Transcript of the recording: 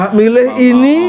gak milih ini